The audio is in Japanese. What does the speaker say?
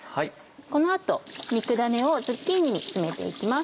この後肉ダネをズッキーニに詰めて行きます。